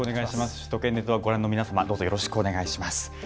首都圏ネットワーク、ご覧の皆様、どうぞよろしくお願いします。